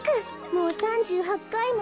もう３８かいも。